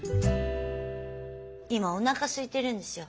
今おなかすいてるんですよ。